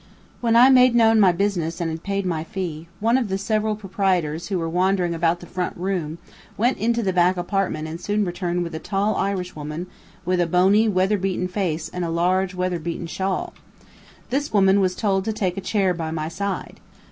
When I made known my business and had paid my fee, one of the several proprietors who were wandering about the front room went into the back apartment and soon returned with a tall Irishwoman with a bony weather beaten face and a large weather beaten shawl. This woman was told to take a chair by my side.